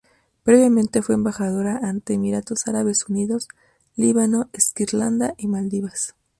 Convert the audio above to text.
Previamente fue embajadora ante Emiratos Árabes Unidos, Líbano, Sri Lanka y Maldivas.